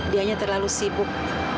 dia nya terlalu sibuk